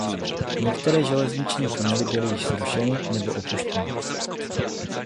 Některé železniční tunely byly již zrušeny nebo opuštěny.